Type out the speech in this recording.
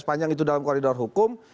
sepanjang itu dalam koridor hukum